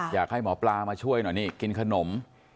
อยากให้หมอปลามาช่วยหน่อยนี่กินขนม